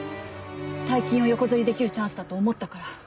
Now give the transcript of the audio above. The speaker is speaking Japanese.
大金を横取り出来るチャンスだと思ったから。